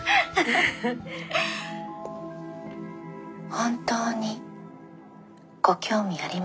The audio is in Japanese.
本当にご興味ありましたら。